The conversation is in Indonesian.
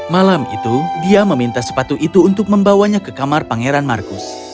malam itu dia meminta sepatu itu untuk membawanya ke kamar pangeran marcus